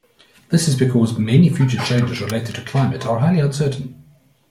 This is because many future changes related to climate are highly uncertain.